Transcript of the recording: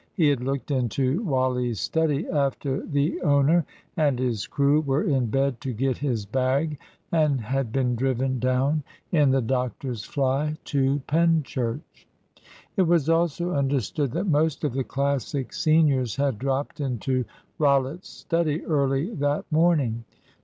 He had looked into Wally's study after the owner and his crew were in bed to get his bag, and had been driven down in the doctor's fly to Penchurch. It was also understood that most of the Classic seniors had dropped into Rollitt's study early that morning.